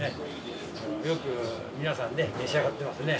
よく皆さんね、召し上がってますね。